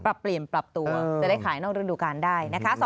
ปรับเปลี่ยนปรับตัวจะได้ขายนอกฤดูการได้